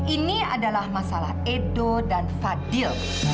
ini adalah masalah edo dan fadil